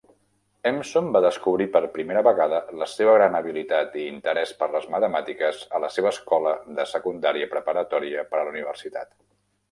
Empson va descobrir per primera vegada la seva gran habilitat i interès per les matemàtiques a la seva escola de secundària preparatòria per a la universitat.